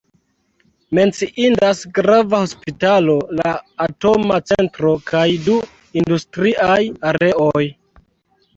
Menciindas grava hospitalo, la atoma centro kaj du industriaj areoj.